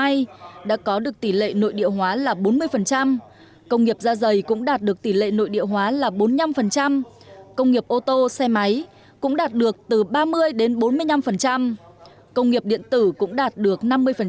nay đã có được tỷ lệ nội địa hóa là bốn mươi công nghiệp da dày cũng đạt được tỷ lệ nội địa hóa là bốn mươi năm công nghiệp ô tô xe máy cũng đạt được từ ba mươi đến bốn mươi năm công nghiệp điện tử cũng đạt được năm mươi